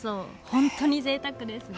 本当にぜいたくですね。